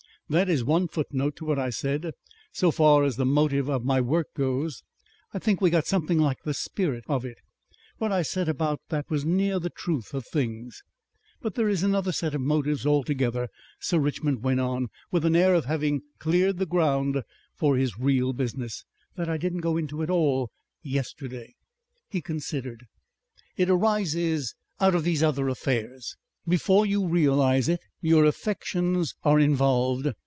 "That is one footnote to what I said. So far as the motive of my work goes, I think we got something like the spirit of it. What I said about that was near the truth of things.... "But there is another set of motives altogether," Sir Richmond went on with an air of having cleared the ground for his real business, "that I didn't go into at all yesterday." He considered. "It arises out of these other affairs. Before you realize it your affections are involved.